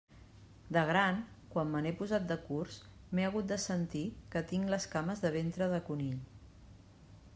De gran, quan me n'he posat de curts, m'he hagut de sentir que tinc les cames de ventre de conill.